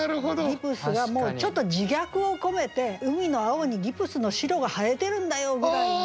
ギプスがもうちょっと自虐を込めて海の青にギプスの白が映えてるんだよぐらいの。